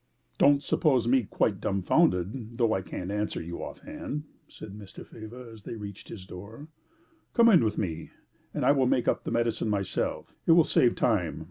"Don't suppose me quite dumbfoundered, though I can't answer you off hand," said Mr. Faber, as they reached his door. "Come in with me, and I will make up the medicine myself; it will save time.